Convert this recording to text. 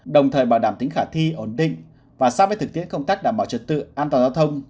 đồng thời bảo đảm tính khả thi ổn định và sát với thực tiễn công tác đảm bảo trật tự an toàn giao thông